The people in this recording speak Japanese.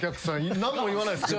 何も言わないっすけど。